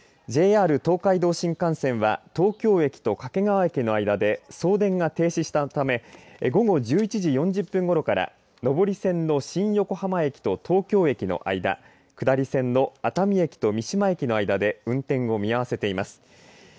ＪＲ東海道新幹線は東京駅と掛川駅の間で送電が停止したため午後１１時４０分ごろから上り線の新横浜駅と東京駅の間で下り線の熱海駅と三島駅間で運転を見合わせています。